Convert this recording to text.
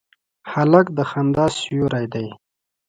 هلک د خندا سیوری دی.